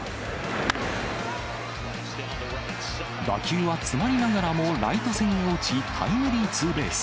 打球は詰まりながらもライト線に落ち、タイムリーツーベース。